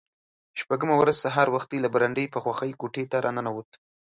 شپږمه ورځ سهار وختي له برنډې په خوښۍ کوټې ته را ننوت.